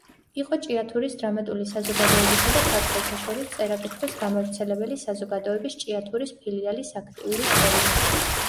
იყო ჭიათურის დრამატული საზოგადოებისა და ქართველთა შორის წერა-კითხვის გამავრცელებელი საზოგადოების ჭიათურის ფილიალის აქტიური წევრი.